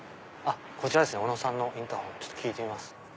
こちらですね小野さんのインターホンちょっと聞いてみます。